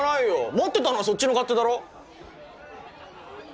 待ってたのはそっちの勝手だろ！